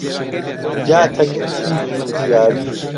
گا تەکبیری جووتیاری